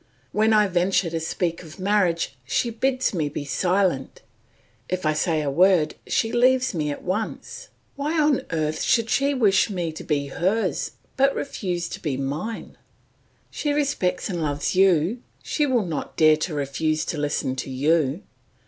When I venture to speak of marriage, she bids me be silent; if I say a word, she leaves me at once. Why on earth should she wish me to be hers but refuse to be mine? She respects and loves you, and she will not dare to refuse to listen to you.